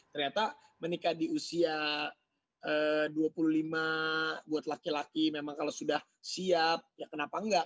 ternyata menikah di usia dua puluh lima buat laki laki memang kalau sudah siap ya kenapa enggak